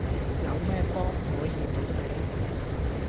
有咩幫可以到你?